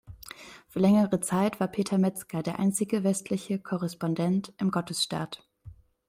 Für längere Zeit war Peter Mezger der einzige westliche Korrespondent im Gottesstaat.